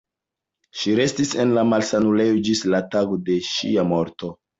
Ŝi restis en la malsanulejo ĝis la tago de ŝia morto.